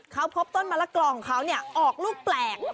เขาพบต้นมรักกอกของเขาเนี่ยออกลูกแปลก